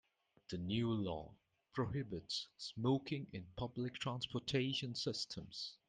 The new law prohibits smoking in public transportation systems.